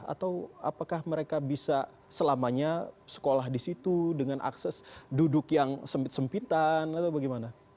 atau apakah mereka bisa selamanya sekolah di situ dengan akses duduk yang sempitan atau bagaimana